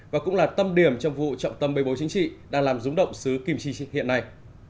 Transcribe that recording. và cũng là tâm điểm trong vụ trọng tâm bê bối chính trị đang làm rúng động xứ kim chi hiện nay